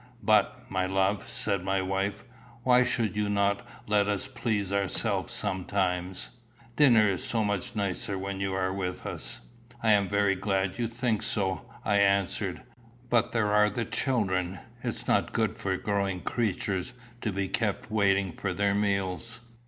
"But, my love," said my wife, "why should you not let us please ourselves sometimes? Dinner is so much nicer when you are with us." "I am very glad you think so," I answered. "But there are the children: it is not good for growing creatures to be kept waiting for their meals."